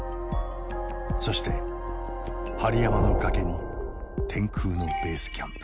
そして針山の崖に天空のベースキャンプ。